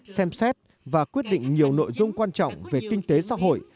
xem xét và quyết định nhiều nội dung quan trọng về kinh tế xã hội